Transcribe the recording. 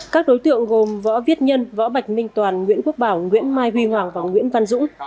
các đối tượng gồm võ viết nhân võ bạch minh toàn nguyễn quốc bảo nguyễn mai huy hoàng và nguyễn văn dũng